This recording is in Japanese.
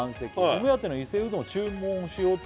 「お目当ての伊勢うどんを注文しようと」